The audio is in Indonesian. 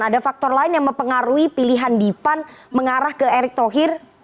ada faktor lain yang mempengaruhi pilihan di pan mengarah ke erick thohir